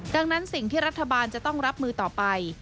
ดังนั้นสิ่งที่รัฐบาลจะต้องรับมือต่อไป